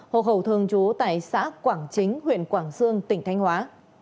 hộ khẩu thường trú tại xã quảng chính huyện quảng sương tỉnh thanh hóa